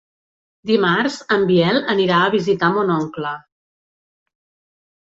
Dimarts en Biel anirà a visitar mon oncle.